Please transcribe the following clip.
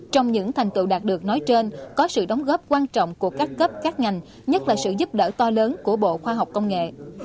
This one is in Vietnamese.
trong những thành tựu đạt được nói trên có sự đóng góp quan trọng của các cấp các ngành nhất là sự giúp đỡ to lớn của bộ khoa học công nghệ